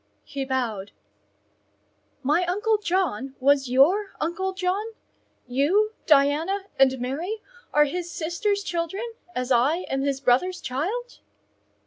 He bowed. "My uncle John was your uncle John? You, Diana, and Mary are his sister's children, as I am his brother's child?"